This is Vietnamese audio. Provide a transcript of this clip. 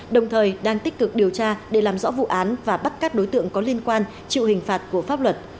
đồng thời đang tích cực điều tra để làm rõ vụ án và bắt các đối tượng có liên quan chịu hình phạt của pháp luật